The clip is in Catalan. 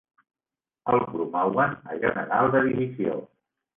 El promouen a general de divisió.